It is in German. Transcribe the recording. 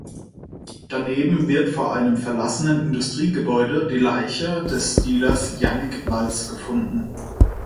Daneben wird vor einem verlassenen Industriegebäude die Leiche des Dealers Jannik Waltz gefunden.